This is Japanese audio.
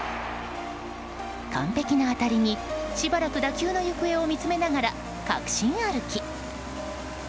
完璧な当たりにしばらく打球の行方を見つめながら確信歩き。